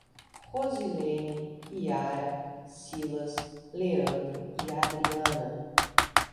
Rosilene, Yara, Silas, Leandro e Adriana